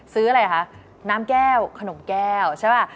อะไรคะน้ำแก้วขนมแก้วใช่ป่ะ